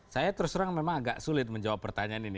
saya terus terang memang agak sulit menjawab pertanyaan ini